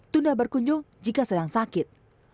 tunda berkunjung jika sedang sakit